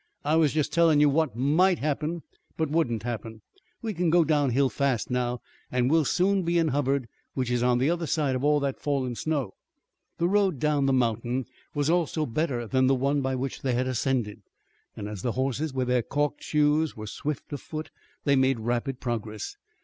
I was jest tellin' you what might happen, but wouldn't happen. We kin go down hill fast now, and we'll soon be in Hubbard, which is the other side of all that fallin' snow." The road down the mountain was also better than the one by which they had ascended, and as the horses with their calked shoes were swift of foot they made rapid progress.